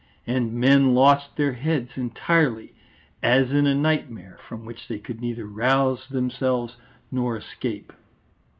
And men lost their heads entirely, as in a nightmare, from which they could neither rouse themselves nor escape.